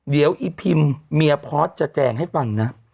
เดี๋ยวอีพิมเมียพอสจะแจงให้ฟังนะ